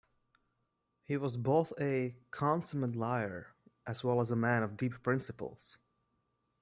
He was both a consummate liar as well as a man of deep principles.